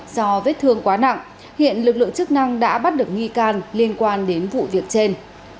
do vết thương quá nặng hiện lực lượng chức năng đã bắt được nghi can liên quan đến vụ việc trên